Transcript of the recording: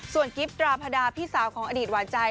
ส่วนกิ๊บตราพดาพี่สาวของอดีตหวานใจ